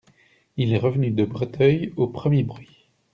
Il est revenu de Breteuil, aux premiers bruits.